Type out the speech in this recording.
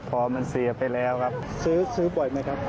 พอมันเสียไปแล้วครับซื้อบ่อยไหมครับ